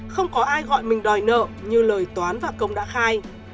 không có ai gọi mình đòi nợ như lời toán và công đã khai